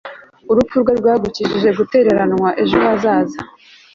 urupfu rwe rwagukijije gutereranwa ejo hazaza